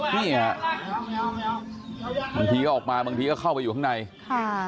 นี่ฮะบางทีก็ออกมาบางทีก็เข้าไปอยู่ข้างในค่ะ